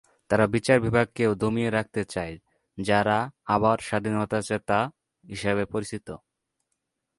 তারা বিচার বিভাগকেও দমিয়ে রাখতে চায়, যারা আবার স্বাধীনচেতা হিসেবে পরিচিত।